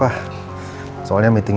orang handphone aja diambil sama dia